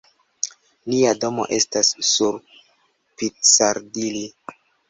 Nia domo estas sur Piccadilli.